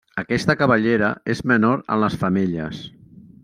Aquesta cabellera és menor en les femelles.